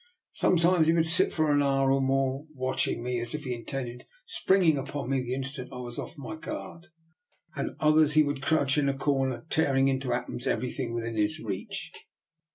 Some times he would sit for an hour or more watch 298 I>R. NIKOLA'S EXPERIMENT. ing me, as if he intended springing upon me the instant I was off my guard. At others he would crouch in a corner tearing into atoms everything within his reach.